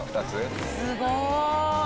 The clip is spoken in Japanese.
すごい！